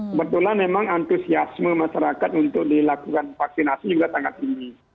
kebetulan memang antusiasme masyarakat untuk dilakukan vaksinasi juga sangat tinggi